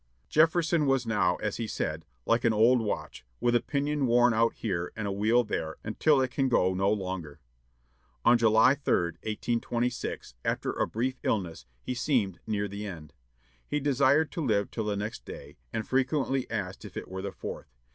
Jefferson was now, as he said, "like an old watch, with a pinion worn out here and a wheel there, until it can go no longer." On July 3, 1826, after a brief illness, he seemed near the end. He desired to live till the next day, and frequently asked if it were the Fourth.